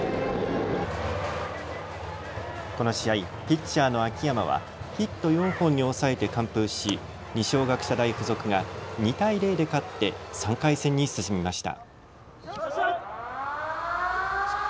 この試合、ピッチャーの秋山はヒット４本に抑えて完封し二松学舎大付属が２対０で勝って３回戦に進みました。